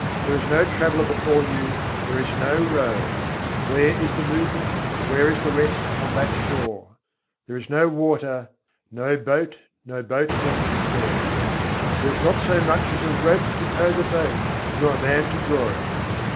there is no traveller before you, there is no road: Where is the movement, where is the rest, on that shore? There is no water; no boat, no boatman, is there; There is not so much as a rope to tow the boat, nor a man to draw it.